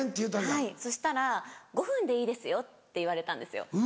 はいそしたら「５分でいいですよ」って言われたんですよ。